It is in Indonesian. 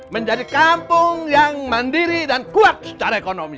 menjadi kampung yang mandiri dan kuat secara ekonomi